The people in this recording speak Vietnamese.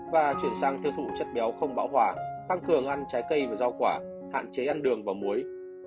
và chuyển sang tiêu thụ chất béo không bão hòa tăng cường ăn trái cây và rau quả hạn chế ăn đường và muối